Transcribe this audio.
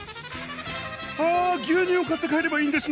あ牛乳を買って帰ればいいんですね。